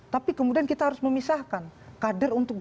tapi kemudian kita harus memisahkan